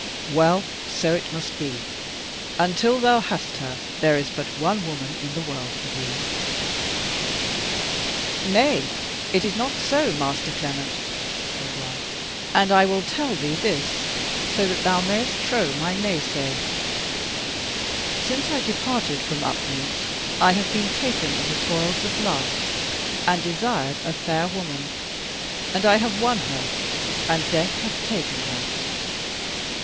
Well, so it must be, and till thou hast her, there is but one woman in the world for thee." "Nay, it is not so, Master Clement," said Ralph, "and I will tell thee this, so that thou mayst trow my naysay; since I departed from Upmeads, I have been taken in the toils of love, and desired a fair woman, and I have won her and death hath taken her.